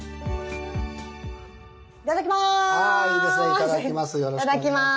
いただきます。